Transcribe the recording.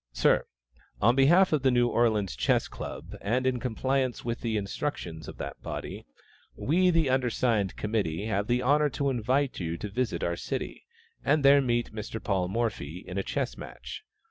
Sir, On behalf of the New Orleans Chess Club, and in compliance with the instructions of that body, we, the undersigned committee, have the honor to invite you to visit our city, and there meet Mr. Paul Morphy in a chess match.